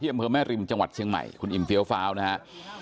อำเภอแม่ริมจังหวัดเชียงใหม่คุณอิ่มเฟี้ยวฟ้าวนะครับ